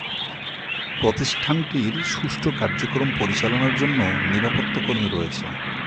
প্রতিষ্ঠানটির সুষ্ঠু কার্যক্রম পরিচালনার জন্য নিরাপত্তা কর্মী রয়েছে।